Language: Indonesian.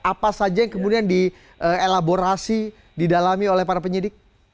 apa saja yang kemudian dielaborasi didalami oleh para penyidik